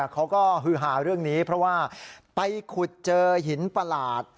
เขาก็ฮือหาเรื่องนี้เพราะว่าไปขุดเจอหินประหลาด